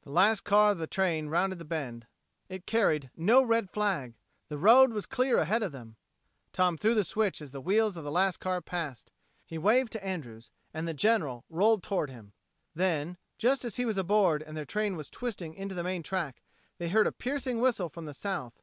The last car of the train rounded the bend. It carried no red flag! The road was clear ahead of them! Tom threw the switch as the wheels of the last car passed. He waved to Andrews and the General rolled toward him. Then, just as he was aboard and their train was twisting into the main track, they heard a piercing whistle from the south.